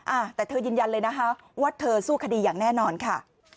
อ่าแต่เธอยืนยันเลยนะคะว่าเธอสู้คดีอย่างแน่นอนค่ะ